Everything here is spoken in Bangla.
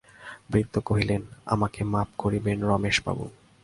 বৃদ্ধ কহিলেন, আমাকে মাপ করিবেন রমেশবাবু।